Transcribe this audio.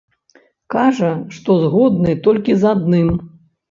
Кажа, што згодны толькі з адным.